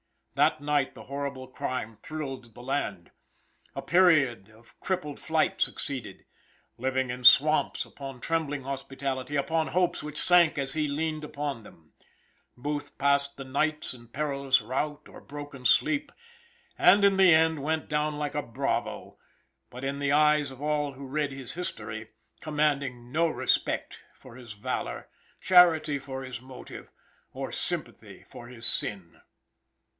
That night the horrible crime thrilled the land. A period of crippled flight succeeded. Living in swamps, upon trembling hospitality, upon hopes which sank as he leaned upon them. Booth passed the nights in perilous route or broken sleep, and in the end went down like a bravo, but in the eyes of all who read his history, commanding no respect for his valor, charity for his motive, or sympathy for his sin.